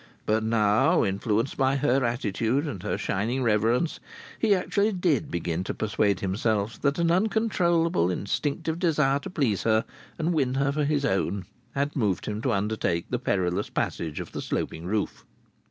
But now, influenced by her attitude and her shining reverence, he actually did begin to persuade himself that an uncontrollable instinctive desire to please her and win her for his own had moved him to undertake the perilous passage of the sloping roof.